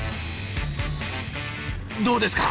どうですか？